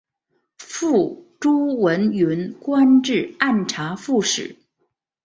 父朱文云官至按察副使。